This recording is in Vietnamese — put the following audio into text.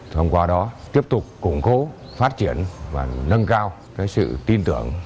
thông qua đó tiếp tục củng cố phát triển và nâng cao sự tin tưởng